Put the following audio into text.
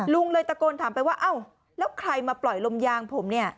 ลุงเลยตะโกนถามไปว่าอ้าวแล้วใครมาปล่อยลมยางผมเนี่ย